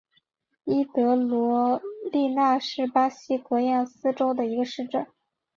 伊德罗利纳是巴西戈亚斯州的一个市镇。